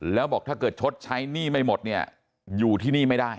แล้วบอกถ้าเกิดชดใช้หนี้ไม่หมดเนี่ยอยู่ที่นี่ไม่ได้